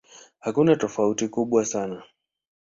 Hakuna tofauti kubwa sana.